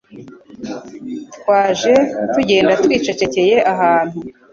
Twaje tugenda twicecekeye ahantu